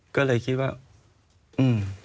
ก็เลยคิดว่าอืม